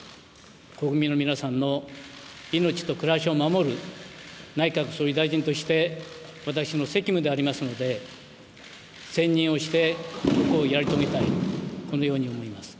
国民の皆さんの命と暮らしを守る内閣総理大臣として、私の責務でありますので、専任をしてこれをやり遂げたい、このように思います。